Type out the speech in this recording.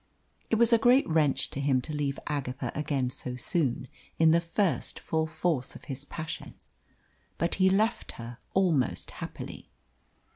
It was a great wrench to him to leave Agatha again so soon, in the first full force of his passion. But he left her almost happily.